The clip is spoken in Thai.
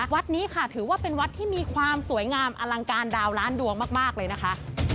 วัดนี้ค่ะถือว่าเป็นวัดที่มีความสวยงามอลังการดาวล้านดวงมากเลยนะคะ